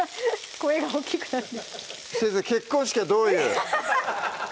声が大きくなる先生結婚式はどういう？